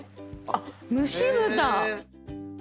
あっ蒸し豚！